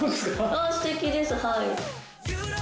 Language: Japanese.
あっすてきですはい。